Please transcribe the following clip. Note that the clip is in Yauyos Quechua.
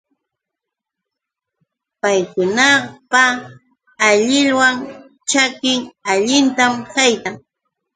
Paykunapa allilaw ćhakin allintam haytan.